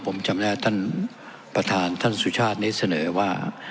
ผมจำแม่ท่านประธานท่านมศนี่เสนอว่า